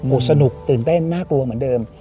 สนุกตื่นเต้นน่ากลัวเหมือนเดิม